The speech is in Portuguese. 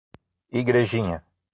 Igrejinha